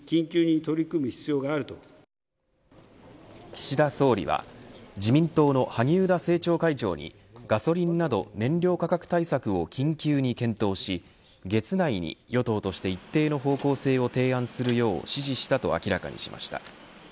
岸田総理は自民党の萩生田政調会長にガソリンなど燃料価格対策を緊急に検討し月内に与党として一定の方向性を提案するよう指示したと明らかにしました。